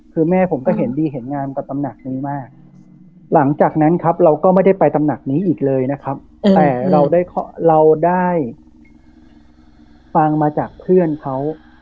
คือแม่ผมก็เห็นดีเห็นงามกับตำหนักนี้มากหลังจากนั้นครับเราก็ไม่ได้ไปตำหนักนี้อีกเลยนะครับแต่เราได้เราได้ฟังมาจากเพื่อนเขา